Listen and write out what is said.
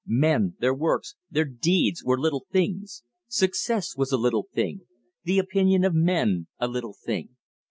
Men, their works, their deeds were little things. Success was a little thing; the opinion of men a little thing.